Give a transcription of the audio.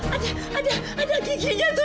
ada ada ada giginya tuh